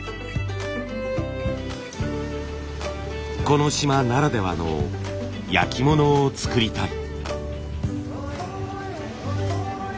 この島ならではの焼き物を作りたい。